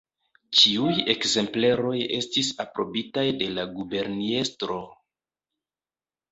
Ĉiuj ekzempleroj estis aprobitaj de la guberniestro.